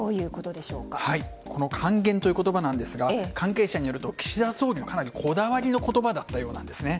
この還元という言葉ですが関係者によると岸田総理のかなりこだわりの言葉だったようなんですね。